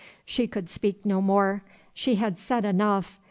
She could speak no more. She had said enough.